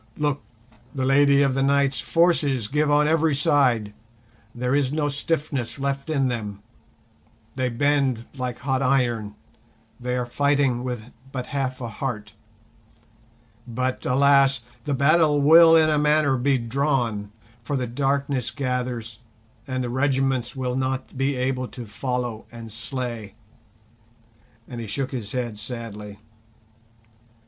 "Look, the Lady of the Night's forces give on every side, there is no stiffness left in them, they bend like hot iron, they are fighting with but half a heart. But alas! the battle will in a manner be drawn, for the darkness gathers, and the regiments will not be able to follow and slay!"—and he shook his head sadly.